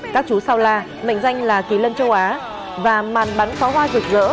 các chú sau la mệnh danh là kỳ lân châu á và màn bắn pháo hoa rực rỡ